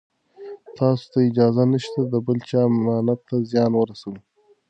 تاسو ته اجازه نشته چې د بل چا امانت ته زیان ورسوئ.